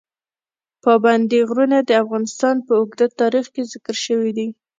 پابندي غرونه د افغانستان په اوږده تاریخ کې ذکر شوي دي.